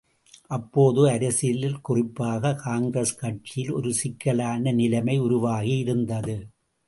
அப்போது அரசியலில் குறிப்பாக, காங்கிரஸ் கட்சியில் ஒரு சிக்கலான நிலைமை உருவாகி இருந்தது.